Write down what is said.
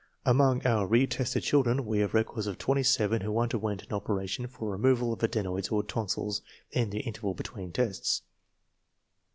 Among our re tested children we have records of twenty seven who under went an operation for removal of adenoids or tonsils in the interval between tests.